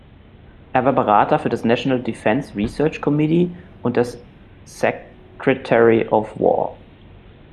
Er war Berater für das National Defense Research Committee und das "Secretary of War".